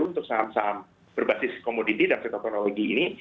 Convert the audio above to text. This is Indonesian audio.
untuk saham saham berbasis komoditi dan sektor teknologi ini